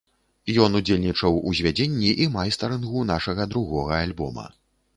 Ён удзельнічаў ў звядзенні і майстарынгу нашага другога альбома.